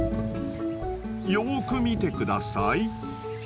よく見て下さい。